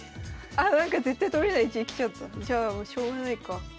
あなんか絶対取れない位置に来ちゃった。じゃあしょうがないか。